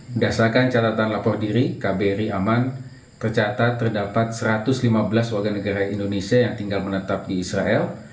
berdasarkan catatan lapor diri kbri aman tercatat terdapat satu ratus lima belas warga negara indonesia yang tinggal menetap di israel